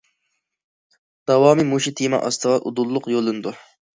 داۋامى مۇشۇ تېما ئاستىغا ئۇدۇللۇق يوللىنىدۇ.